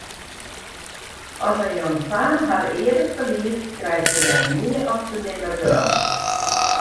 As in jongfaam har eare ferliest, krijt se dy nea ofte nimmer werom.